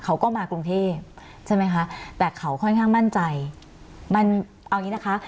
เขาก็มากรุงเทพใช่ไหมคะแต่เขาค่อนข้างมั่นใจมันเอางี้นะคะ